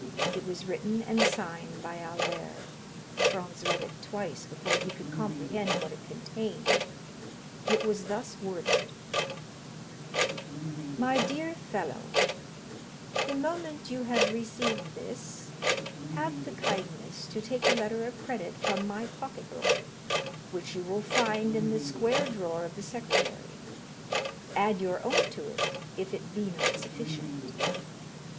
It was written and signed by Albert. Franz read it twice before he could comprehend what it contained. It was thus worded: "My dear Fellow, "The moment you have received this, have the kindness to take the letter of credit from my pocket book, which you will find in the square drawer of the secrétaire; add your own to it, if it be not sufficient.